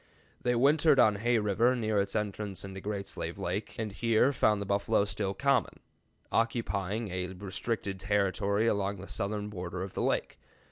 They wintered on Hay River near its entrance into Great Slave Lake, and here found the buffalo still common, occupying a restricted territory along the southern border of the lake.